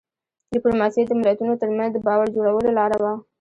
ډيپلوماسي د ملتونو ترمنځ د باور جوړولو لار وه.